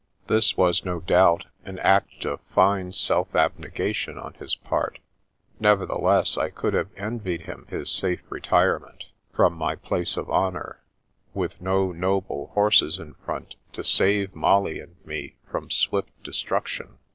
This was, no doubt, an act of fine self abnegation on his part, nevertheless I could have envied him his safe retirement, from my place of honour, with no noble horses in front to save Molly and me from swift destruction.